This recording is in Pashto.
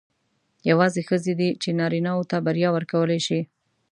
یوازې ښځې دي چې نارینه وو ته بریا ورکولای شي.